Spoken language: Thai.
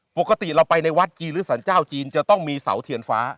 ปกติเราไปในวัดจีนหรือสรรเจ้าจีนจะต้องมีเสาเทียนฟ้า